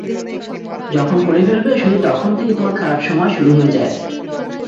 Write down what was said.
যখন করে ফেলবে শুধু তখন থেকে তোমার খারাপ সময় শুরু হয়ে যায়।